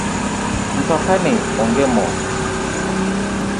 Mtoka ni onge moo